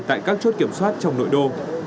tại các chốt kiểm soát trong nội đô